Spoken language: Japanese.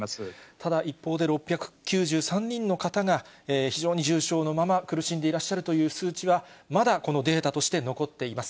ただ、一方で６９３人の方が、非常に重症のまま苦しんでいらっしゃるという数値は、まだこのデータとして残っています。